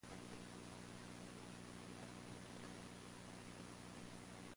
The family originally settled in South Carolina.